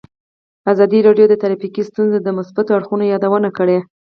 ازادي راډیو د ټرافیکي ستونزې د مثبتو اړخونو یادونه کړې.